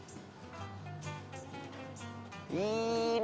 「いいね！